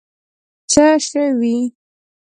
څه شوي.